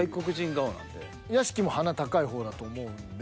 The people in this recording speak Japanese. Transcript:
屋敷も鼻高い方だと思うんで。